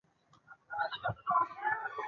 هغه د لوټلو کوښښ یې وکړ.